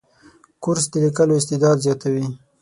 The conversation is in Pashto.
کورس د لیکلو استعداد زیاتوي.